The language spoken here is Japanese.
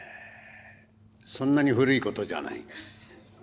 そんなに古いことじゃない。